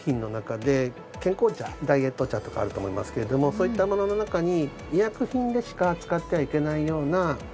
そういったものの中に。